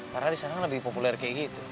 karena di sana kan lebih populer kayak gitu